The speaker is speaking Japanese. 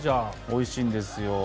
美味しいんですよ。